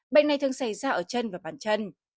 bệnh này thường xảy ra ở chân và bàn chân